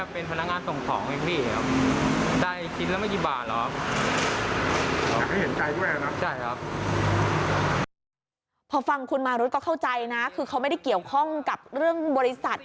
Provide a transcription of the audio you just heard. พอฟังคุณมารุธก็เข้าใจนะคือเขาไม่ได้เกี่ยวข้องกับเรื่องบริษัท